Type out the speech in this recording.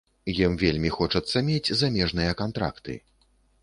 Ім вельмі хочацца мець замежныя кантракты.